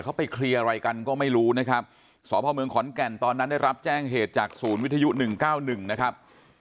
เขาไปเคลียร์อะไรกันก็ไม่รู้นะครับสพเมืองขอนแก่นตอนนั้นได้รับแจ้งเหตุจากศูนย์วิทยุ๑๙๑นะครับ